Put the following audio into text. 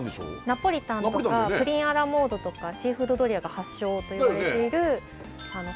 ナポリタンとかプリンアラモードとかシーフードドリアが発祥といわれているだよね